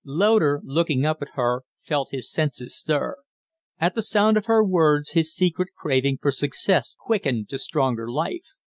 Loder, looking up at her, felt his senses stir. At sound of her words his secret craving for success quickened to stronger life.